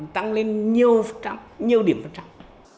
tăng lên nhiều điểm phần trăm